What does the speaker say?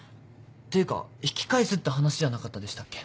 ていうか引き返すって話じゃなかったでしたっけ？